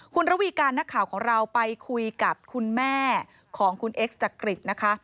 คุณระวีการนักข่าวของเราไปคุยกับคุณแม่ของคุณเอ็กซ์จักริตนะคะ